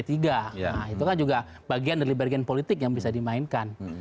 nah itu kan juga bagian dari bergen politik yang bisa dimainkan